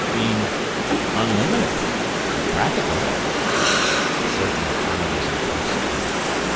Mean—unlimited! Practically." Certainly I was intoxicated.